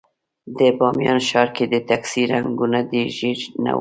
د بامیان ښار کې د ټکسي رنګونه ژېړ نه وو.